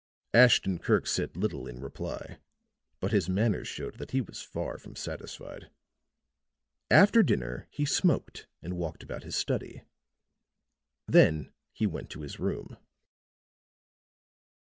Ashton Kirk said little in reply; but his manner showed that he was far from satisfied. After dinner he smoked and walked about his study. Then he went to his room.